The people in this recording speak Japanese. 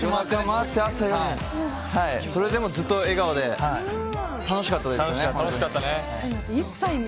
それでもずっと笑顔で楽しかったです。